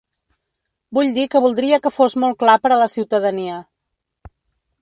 Vull dir que voldria que fos molt clar per a la ciutadania.